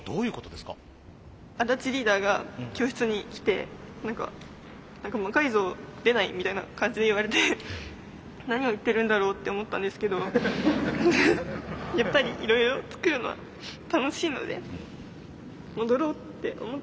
安達リーダーが教室に来て何か「『魔改造』出ない？」みたいな感じで言われて「何を言ってるんだろう」って思ったんですけどやっぱりいろいろ作るのは楽しいので戻ろうって思って。